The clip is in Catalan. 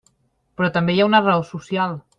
Però també hi ha una raó social.